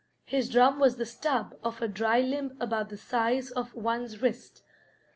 His drum was the stub of a dry limb about the size of one's wrist.